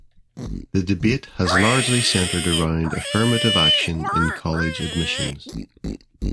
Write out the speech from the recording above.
The debate has largely centered around affirmative action in college admissions.